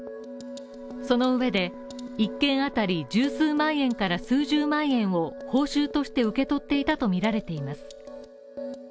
その上で、１件当たり１０数万円から数十万円を報酬として受け取っていたとみられています。